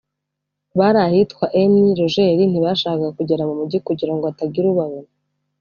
bari ahitwa Eni Rogeli ntibashakaga kugera mu mugi kugira ngo hatagira ubabona